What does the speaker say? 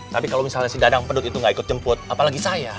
tapi kalau misalnya si dadang pendut itu gak ikut nyemput apalagi saya